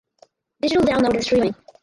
Digital download and streaming